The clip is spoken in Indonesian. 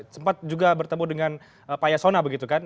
sempat juga bertemu dengan pak yasona begitu kan